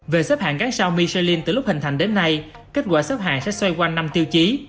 về xếp hạng gác sao michelin từ lúc hình thành đến nay kết quả xếp hạng sẽ xoay quanh năm tiêu chí